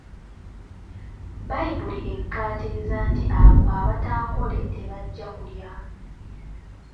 Bbayibuli ekkaatiriza nti abo abataakole tebajja kulya.